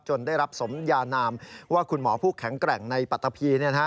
ได้รับสมยานามว่าคุณหมอผู้แข็งแกร่งในปัตตะพี